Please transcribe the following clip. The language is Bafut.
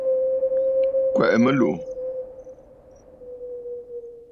Kwɛ̀ʼɛ mɨlùʼù.